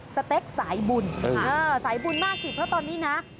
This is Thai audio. สเต็กสายบุญสายบุญมากสิเพราะตอนนี้นะ